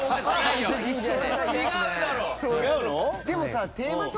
でもさ。